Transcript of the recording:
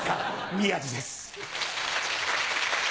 宮治です。